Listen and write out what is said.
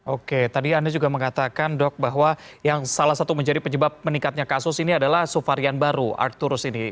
oke tadi anda juga mengatakan dok bahwa yang salah satu menjadi penyebab meningkatnya kasus ini adalah subvarian baru art turus ini